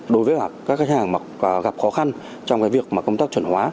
đối với các khách hàng mặc khó khăn trong cái việc mà công tác chuẩn hóa